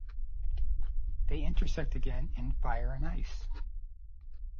They intersect again in "Fire and Ice".